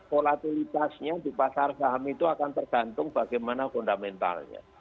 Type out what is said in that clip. volatilitasnya di pasar saham itu akan tergantung bagaimana fundamentalnya